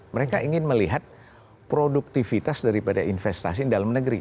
mereka ingin melihat produktivitas daripada investasi dalam negeri